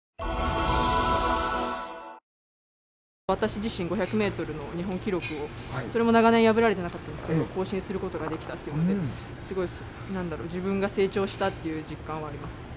私自身５００ｍの日本記録を長年破られていなかったんですが更新することができたのですごく自分が成長したっていう実感はあります。